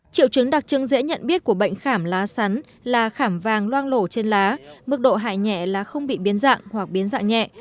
triệu chứng đặc trưng dễ nhận biết của bệnh khảm lá sắn là khảm vàng loang lổ trên lá mức độ hại nhẹ là không bị biến dạng hoặc biến dạng nhẹ